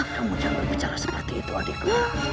kamu jangan berbicara seperti itu adikku